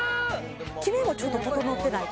キメもちょっと整ってない？